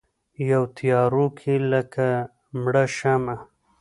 یوه تیارو کې لکه مړه شمعه